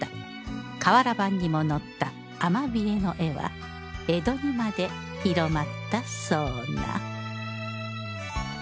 瓦版にも載ったアマビエの絵は江戸にまで広まったそうな